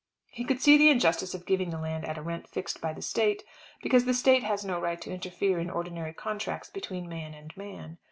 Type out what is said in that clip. He could see the injustice of giving the land at a rent fixed by the State, because the State has no right to interfere in ordinary contracts between man and man.